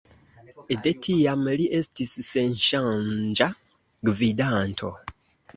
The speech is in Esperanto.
De tiam li estis senŝanĝa gvidanto.